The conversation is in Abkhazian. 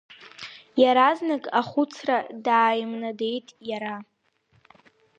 Иаразнак ахәыцра дааимнадеит иара…